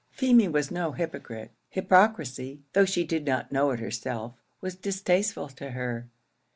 Feemy was no hypocrite; hypocrisy, though she did not know it herself, was distasteful to her.